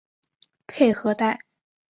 佩和代。